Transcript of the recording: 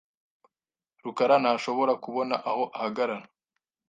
rukara ntashobora kubona aho ahagarara .